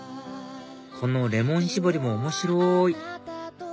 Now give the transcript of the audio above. このレモン絞りも面白い！